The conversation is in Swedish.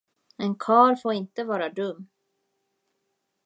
En karl får inte vara dum.